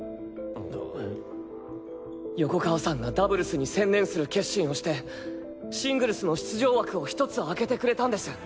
横川さんがダブルスに専念する決心をしてシングルスの出場枠を１つ空けてくれたんです。